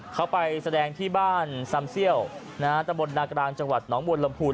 เขาไปแสดงที่บ้านซำเซี่ยวตะบนนากลางจังหวัดหนองบวนลำพูน